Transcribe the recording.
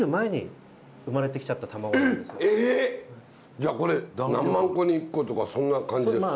じゃあこれ何万個に一個とかそんな感じですか？